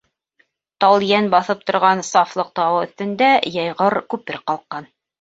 Талйән баҫып торған Сафлыҡ тауы өҫтөндә йәйғор-күпер ҡалҡҡан.